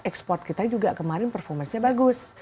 ekspor kita juga kemarin performasinya bagus